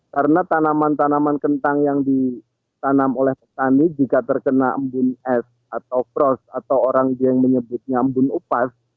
karena tanaman tanaman kentang yang ditanam oleh petani jika terkena embun es atau kros atau orang yang menyebutnya embun upas